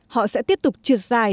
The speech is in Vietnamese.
họ sẽ tiếp tục trượt dài